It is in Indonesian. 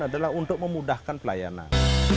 adalah untuk memudahkan pelayanan